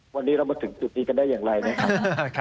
วันนี้เรามาถึงจุดนี้กันได้อย่างไรนะครับ